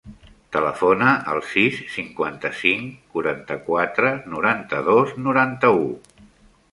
Telefona al sis, cinquanta-cinc, quaranta-quatre, noranta-dos, noranta-u.